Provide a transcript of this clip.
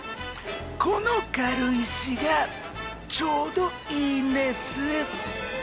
この軽石がちょうどいいんです。